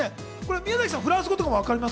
宮崎さん、フランス語とかわかります？